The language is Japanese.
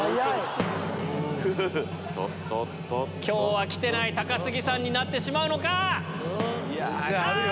今日は来てない高杉さんになってしまうのか⁉あ！